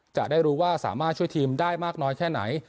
จะได้รู้ว่าสามารถช่วยทีมได้มากน้อยแค่ไหน